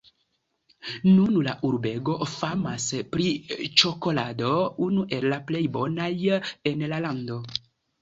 Nun la urbego famas pri ĉokolado, unu el la plej bonaj en la lando.